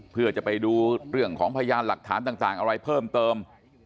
เพื่อจะไปดูเรื่องของพยานหลักฐานต่างอะไรเพิ่มเติม